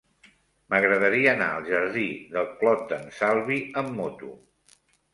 M'agradaria anar al jardí del Clot d'en Salvi amb moto.